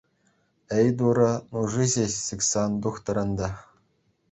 Эй, Турӑ, нуши ҫеҫ сиксе ан тухтӑр ӗнтӗ.